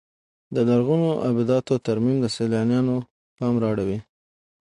د لرغونو ابداتو ترمیم د سیلانیانو پام را اړوي.